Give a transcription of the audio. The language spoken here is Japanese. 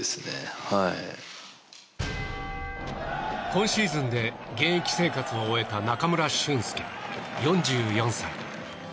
今シーズンで現役生活を終えた中村俊輔、４４歳。